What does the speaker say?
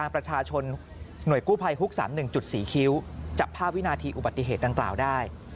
ประชาชนหน่วยกู้ภัยฮุก๓๑๔คิ้วจับภาพวินาทีอุบัติเหตุดังกล่าวได้